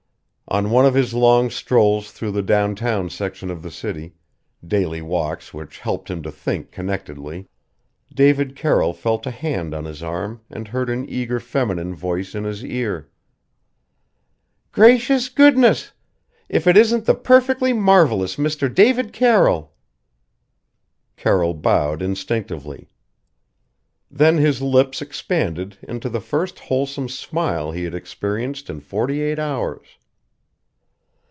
On one of his long strolls through the downtown section of the city daily walks which helped him to think connectedly David Carroll felt a hand on his arm and heard an eager feminine voice in his ear: "Gracious goodness! If it isn't the perfectly marvelous Mr. David Carroll!" Carroll bowed instinctively. Then his lips expanded into the first wholesome smile he had experienced in forty eight hours.